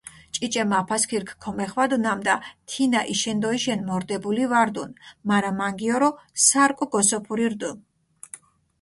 ჭიჭე მაფასქირქ ქომეხვადჷ, ნამდა თინა იშენდოიშენ მორდებული ვარდუნ, მარა მანგიორო სარკო გოსოფური რდჷ.